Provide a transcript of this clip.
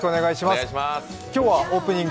今日はオープニング